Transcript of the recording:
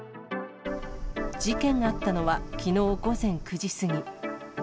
事件があったのはきのう午前９時過ぎ。